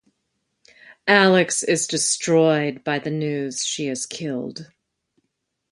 Alex is destroyed by the news she is killed.